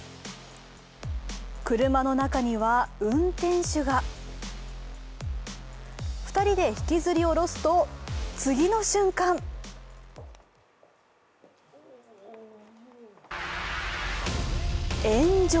車の中には運転手が２人で引きずりおろすと次の瞬間炎上。